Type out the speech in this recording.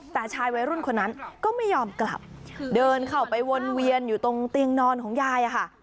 แต่ชายวัยรุ่นคนนั้นก็ไม่ยอมกลับเดินเข้าไปวนเวียนอยู่ตรงเตียงนอนของยายอะค่ะ